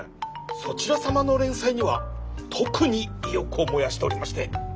そちら様の連載には特に意欲を燃やしておりまして。